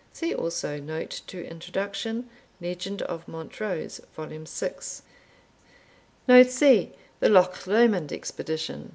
[See also note to introduction, "Legend of Montrose," vol. vi.] Note C. The Loch Lomond Expedition.